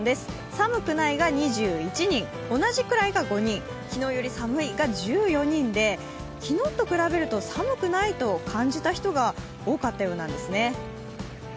寒くないが２１人、同じくらいが５人、昨日より寒いが１４人で、昨日と比べると寒くないと感じた人が多かったようなんですね。